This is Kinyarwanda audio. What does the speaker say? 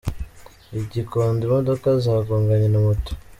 I Gikondo imodoka zagonganye na moto